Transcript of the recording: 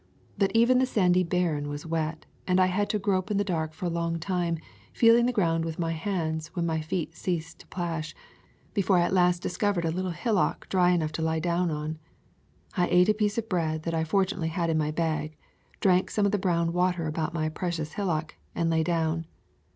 But even the sandy barren was wet, and I had to grope in the dark a long time, feeling the ground with my hands when my feet ceased to plash, before I at last discovered a little hillock dry enough to lie down on. I ate a piece of bread that I fortunately had in my bag, drank some of the brown water about my precious hillock, and lay down.